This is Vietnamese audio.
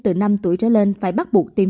từ năm nay